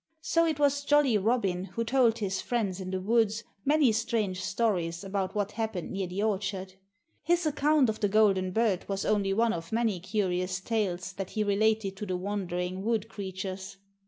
So it was Jolly Robin who told his friends in the woods many strange stories about what happened near the orchard. His account of the golden bird was only one of many curious tales that he related to the wondering wood creatures.